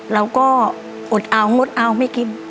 เราก็อดเอางดเอาไม่กิน